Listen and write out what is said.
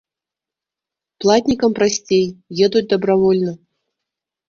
Платнікам прасцей, едуць дабравольна.